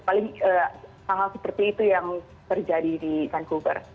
paling tanggal seperti itu yang terjadi di vancouver